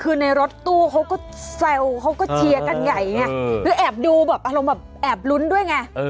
คือในรถตู้เขาก็แซวเขาก็เชียร์กันใหญ่ไงแล้วแอบดูแบบอารมณ์แบบแอบลุ้นด้วยไง